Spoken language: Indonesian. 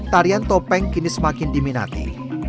tarian topeng kini semakin diminati